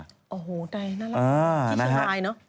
อ๋อโฮใตน์น่ารักที่เชียงรายเนอะ